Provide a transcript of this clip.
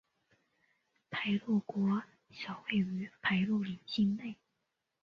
排路国小位于排路里境内。